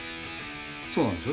そうなんでしょ？